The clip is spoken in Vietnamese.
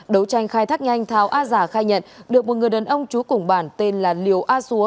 đấu tranh khai thác nhanh thao a già khai nhận được một người đàn ông chú cùng bản tên là liều a xúa